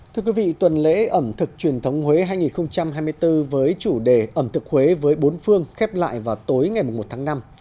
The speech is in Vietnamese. thưa quý vị tuần lễ ẩm thực truyền thống huế hai nghìn hai mươi bốn với chủ đề ẩm thực huế với bốn phương khép lại vào tối ngày một tháng năm